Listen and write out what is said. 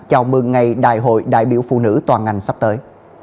chào mừng ngày đại hội đại biểu phụ nữ toàn ngành sắp tới